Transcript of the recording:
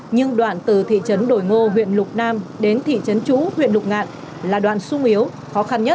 nhưng đoạn từ thị trấn đồi ngô huyện lục nam đến thị trấn chú huyện lục ngạn là đoạn sung yếu khó khăn nhất